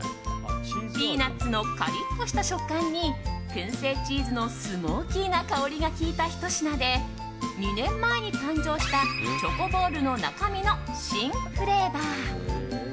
ピーナツのカリッとした食感に燻製チーズのスモーキーな香りがきいたひと品で２年前に誕生したチョコボールのなかみの新フレーバー。